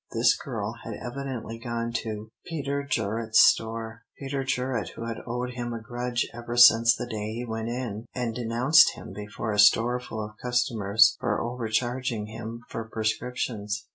This girl had evidently gone to Peter Jerret's store, Peter Jerret who had owed him a grudge ever since the day he went in and denounced him before a store full of customers for overcharging him for prescriptions.